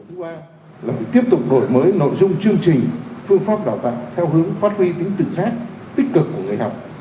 tiếp tục đổi mới nội dung chương trình phương pháp đào tạo theo hướng phát huy tính tự giác tích cực của người học